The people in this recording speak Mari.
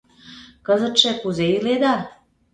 — Кызытше кузе иледа?